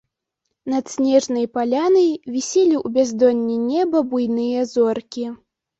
Над снежнай палянай віселі ў бяздонні неба буйныя зоркі.